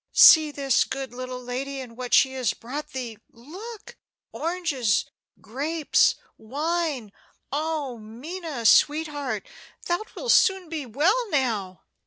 See this good little lady, and what she has brought thee. Look! oranges grapes wine! Oh, Minna, sweetheart, thou wilt soon be well now!"